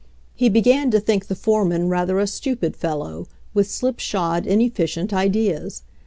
He be gan to think the foreman rather a stupid fellow, with slipshod, inefficient ideas.